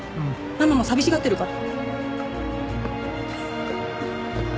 ママも寂しがってるから。